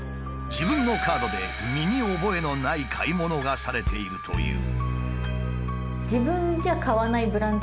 自分のカードで身に覚えのない買い物がされているという。